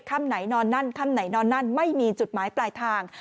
ค่ำไหนนอนนั่นค่ำไหนนอนนั่นไม่มีจุดหมายปลายทาง